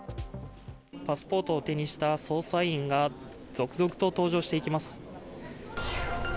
パスポートを手にした捜査員が続々と搭乗していきます。